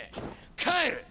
帰る！